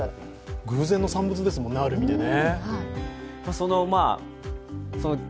偶然の産物ですもんね、ある意味でね。